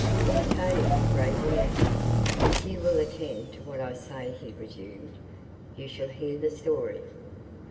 Montoni looked gravely at him. "If you will attend to what I say," he resumed, "you shall hear the story."